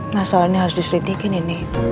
masalah ini harus diselidikin ini